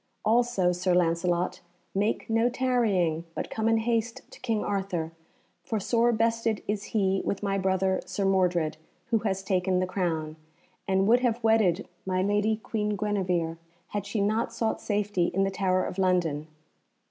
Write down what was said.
"Also, Sir Lancelot, make no tarrying, but come in haste to King Arthur, for sore bested is he with my brother Sir Mordred, who has taken the crown, and would have wedded my lady Queen Guenevere had she not sought safety in the Tower of London.